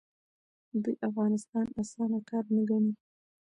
دوی افغانستان اسانه کار نه ګڼي.